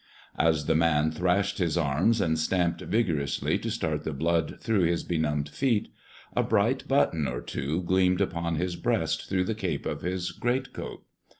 As the man thrashed his arms and stamped vigorously, to start the blood through his benumbed feet, a bright button or two gleamed upon his breast through the cape of his greatcoat.